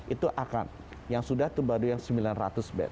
itu akan yang sudah itu baru yang sembilan ratus bed